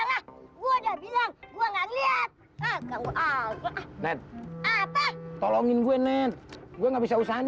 ah eh gua udah bilang gua ngeliat ah kamu alat net apa tolongin gue net gue nggak bisa usahanya